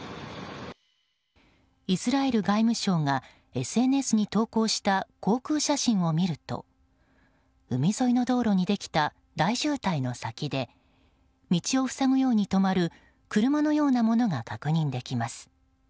イスラエル外務省がＳＮＳに投稿した航空写真を見ると海沿いの道路にできた大渋滞の先で道を塞ぐように止まる車のようなものが確認できます。